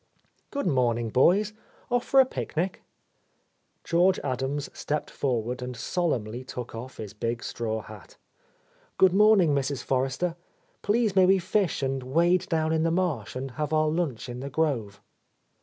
"Good morning, boys. Off for a picnic?" George Adams stepped forward and solemnly took off his big straw hat. "Good morning, Mrs. Forrester. Please may we fish and wade down in the marsh and have our lunch in the grove